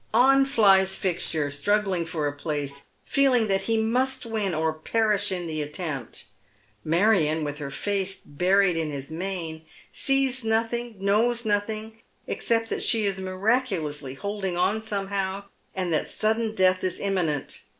On flies Fixture, struggling for a place, feeling that he must win or perish in the attempt. Marion, with her face buried in his mane, sees nothing, knows nothing, Tilberry Steeptechaae, 207 except that she is miraculously holdin.c^ on Boraehow, and that Budden death is imminent.